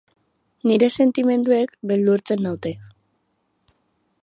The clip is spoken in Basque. Nire sentimenduek beldurtzen naute.